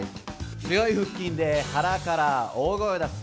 強い腹筋で腹から大声を出す。